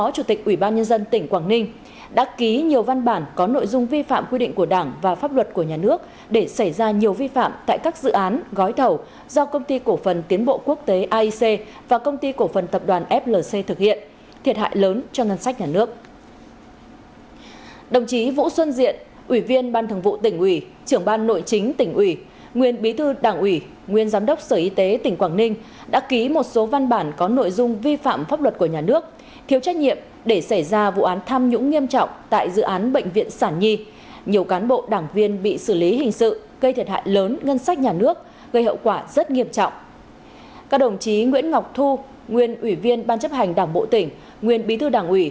chủ tịch ủy ban nhân dân tỉnh quảng ninh đã ký nhiều văn bản có nội dung vi phạm quy định của đảng và pháp luật của nhà nước để xảy ra nhiều vi phạm tại các dự án gói thầu do công ty cổ phần tập đoàn flc thực hiện thiệt hại lớn cho ngân sách nhà nước